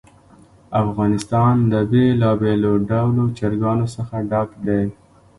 افغانستان له بېلابېلو ډولو چرګانو څخه ډک دی.